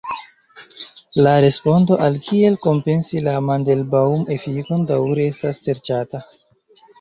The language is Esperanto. La respondo al kiel kompensi la "Mandelbaŭm-efikon" daŭre estas serĉata.